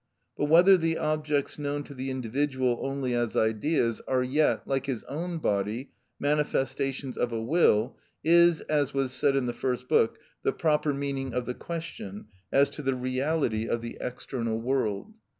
But whether the objects known to the individual only as ideas are yet, like his own body, manifestations of a will, is, as was said in the First Book, the proper meaning of the question as to the reality of the external world.